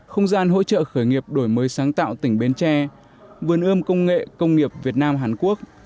không gian hỗ trợ khởi nghiệp đổi mới sáng tạo tỉnh bến tre vườn ươm công nghệ công nghiệp việt nam hàn quốc